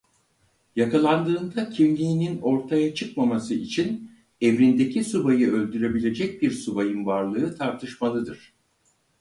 Yakalandığında kimliğinin ortaya çıkmaması için emrindeki subayı öldürebilecek bir subayın varlığı tartışmalıdır.